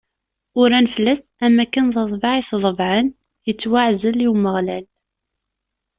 Uran fell-as am akken d aḍbaɛ i t-ḍebɛen: Ittwaɛzel i Umeɣlal.